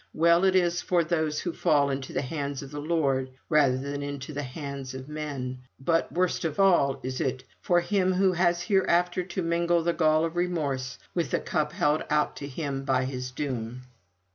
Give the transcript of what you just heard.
Well is it for those who fall into the hands of the Lord rather than into the hands of men; but worst of all is it for him who has hereafter to mingle the gall of remorse with the cup held out to him by his doom.